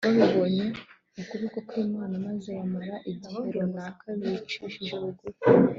babibonyemo ukuboko kw'imana maze bamara igihe runaka bicishije bugufi